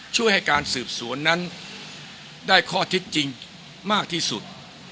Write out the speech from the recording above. ช่วยให้การสืบสวนนั้นได้ข้อเท็จจริงมากที่สุด